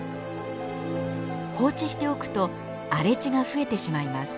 放置しておくと荒れ地が増えてしまいます。